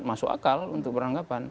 masuk akal untuk beranggapan